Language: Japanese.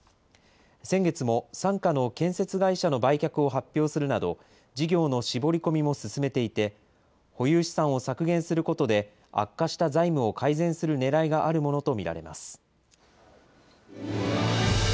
先月も傘下の建設会社の売却を発表するなど、事業の絞り込みも進めていて、保有資産を削減することで悪化した財務を改善するねらいがあるものと見られます。